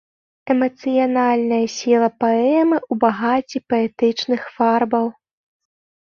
Эмацыянальная сіла паэмы ў багацці паэтычных фарбаў.